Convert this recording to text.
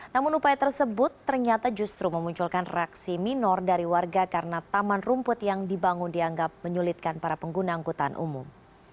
namun upaya tersebut ternyata justru memunculkan reaksi minor dari warga karena taman rumput yang dibangun dianggap menyulitkan para pengguna angkutan umum